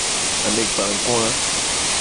Amegbagoa.